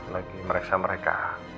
lagi mereksa mereka